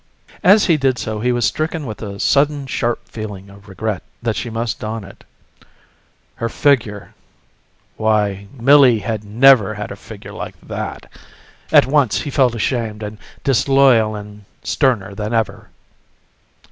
As he did so, he was stricken with a sudden sharp feeling of regret that she must don it. Her figure ... why Millie had never had a figure like that! At once, he felt ashamed and disloyal and sterner than ever.